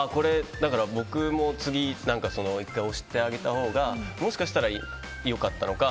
僕も次、１階押してあげたほうがもしかしたら、良かったのか。